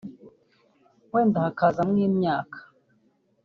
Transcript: wenda hakazamo imyaka